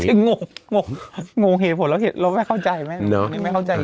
งงงงงงเหตุผลแล้วเห็นเราไม่เข้าใจไหมเนอะไม่เข้าใจ